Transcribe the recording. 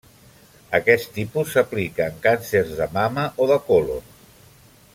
Aquest tipus s'aplica en càncers de mama o de còlon.